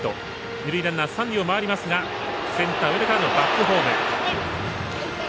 二塁ランナー、三塁を回りますがセンター、上田からのバックホーム。